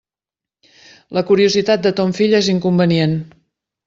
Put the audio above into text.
La curiositat de ton fill és inconvenient.